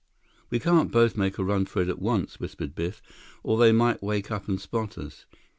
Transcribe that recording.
"We can't both make a run for it at once," whispered Biff, "or they might wake up and spot us.